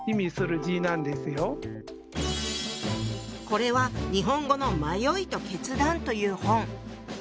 これは日本語の「迷いと決断」という本。